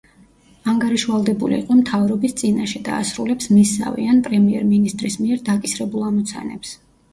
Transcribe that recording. ანგარიშვალდებული იყო მთავრობის წინაშე და ასრულებს მისსავე ან პრემიერ-მინისტრის მიერ დაკისრებულ ამოცანებს.